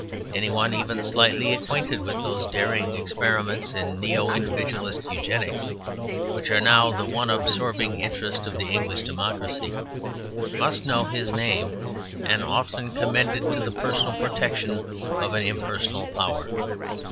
Any one even slightly acquainted with those daring experiments in Neo Individualist Eugenics, which are now the one absorbing interest of the English democracy, must know his name and often commend it to the personal protection of an impersonal power.